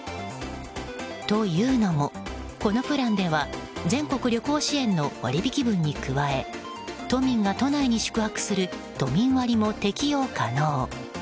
というのも、このプランでは全国旅行支援の割引分に加え都民が都内に宿泊する都民割も適用可能。